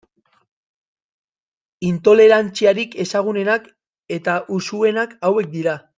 Intolerantziarik ezagunenak eta usuenak hauek dira.